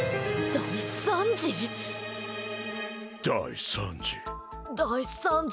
大惨事？